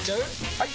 ・はい！